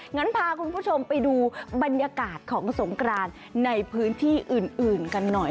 งั้นพาคุณผู้ชมไปดูบรรยากาศของสงกรานในพื้นที่อื่นกันหน่อย